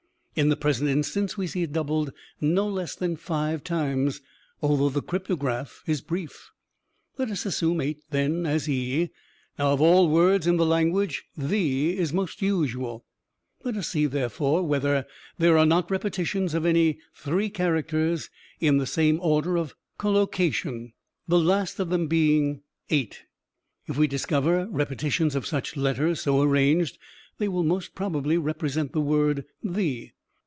In the present instance we see it doubled no less than five times, although the cryptograph is brief. "Let us assume 8, then, as e. Now, of all words in the language, 'the' is most usual; let us see, therefore, whether there are not repetitions of any three characters, in the same order of collocation, the last of them being 8. If we discover repetitions of such letters, so arranged, they will most probably represent the word 'the.'